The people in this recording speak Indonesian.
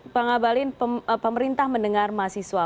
pangabalin pemerintah mendengar mahasiswa